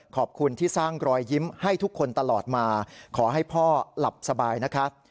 ขอบคุณที่สร้างรอยยิ้มให้ทุกคนตลอดมาขอให้พ่อหลับสบายนะครับ